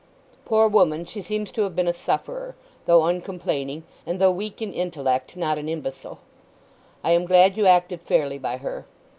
Poor woman, she seems to have been a sufferer, though uncomplaining, and though weak in intellect not an imbecile. I am glad you acted fairly by her.